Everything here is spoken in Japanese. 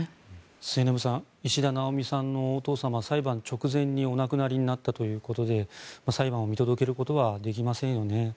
末延さん石田奈央美さんのお父様は裁判直前にお亡くなりになったということで裁判を見届けることはできませんよね。